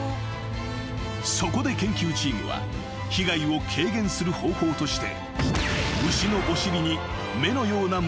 ［そこで研究チームは被害を軽減する方法として］